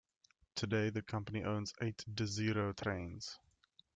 Today the company owns eight Desiro trains.